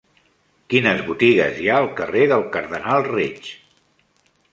Quines botigues hi ha al carrer del Cardenal Reig?